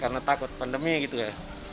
karena takut pandemi gitu ya